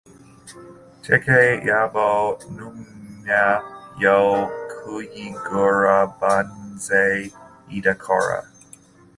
tike yabo nyuma yo kuyigurabaanze idakora